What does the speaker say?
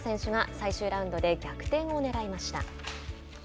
古江彩佳選手が最終ラウンドで逆転をねらいました。